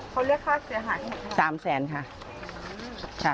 เขาเรียกค่าเสียหายทั้งหมดไหมคะ๓๐๐๐๐๐ค่ะ